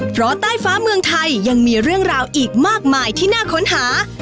เพราะใต้ฟ้าเมืองไทยยังมีเรื่องราวอีกมากมายที่น่าค้นหา